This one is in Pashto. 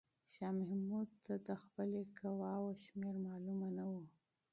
شاه محمود ته د خپلې قواوو شمېر معلومه نه و.